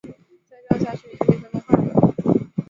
再这样下去妳身体会弄坏的